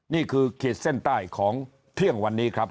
ขีดเส้นใต้ของเที่ยงวันนี้ครับ